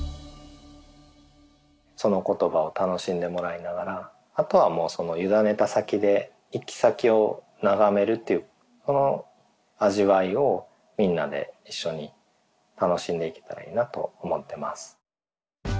その言葉を楽しんでもらいながらあとはもうゆだねた先で行き先を眺めるっていうこの味わいをみんなで一緒に楽しんでいけたらいいなと思ってます。